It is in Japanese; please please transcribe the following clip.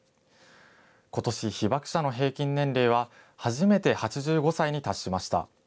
ことし、被爆者の平均年齢は初めて８５歳に達しました。